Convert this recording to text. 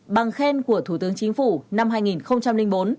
bằng khen của thủ tướng chính phủ năm hai nghìn bốn